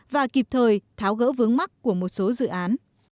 và kịp thời tháo gỡ vướng mắt của một số dự án